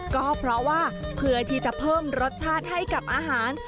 ก็เพราะว่าเพื่อที่จะเพิ่มรสชาติให้กับอาหาร